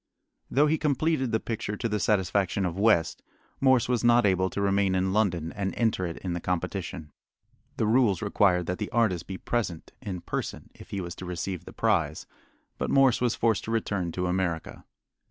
Though he completed the picture to the satisfaction of West, Morse was not able to remain in London and enter it in the competition. The rules required that the artist be present in person if he was to receive the prize, but Morse was forced to return to America.